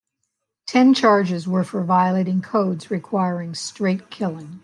Ten charges were for violating codes requiring straight killing.